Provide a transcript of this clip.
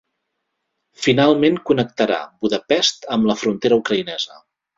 Finalment connectarà Budapest amb la frontera ucraïnesa.